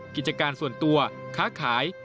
กิจการส่วนตัวค้าขาย